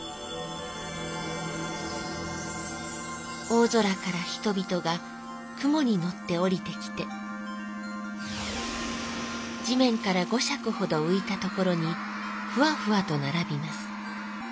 「大空から人々が雲に乗って下りて来て地めんから五尺ほどういたところにふわふわとならびます。